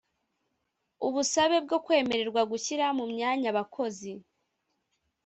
ubusabe bwo kwimererwa gushyira mu myanya abakozi